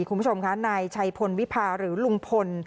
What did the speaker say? คุณผู้ชมค่ะนายชัยพลวิพาหรือลุงพล